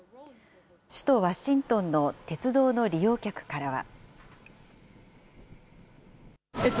首都ワシントンの鉄道の利用客からは。